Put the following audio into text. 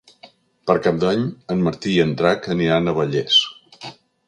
Per Cap d'Any en Martí i en Drac aniran a Vallés.